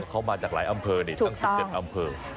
เข้ามาจากหลายอำเภอนี่ทั้ง๑๗อำเภอถูกต้อง